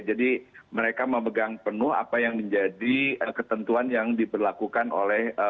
jadi mereka memegang penuh apa yang menjadi ketentuan yang diberlakukan oleh